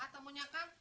sama temunya kan